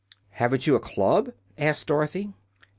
"Haven't you a club?" asked Dorothy.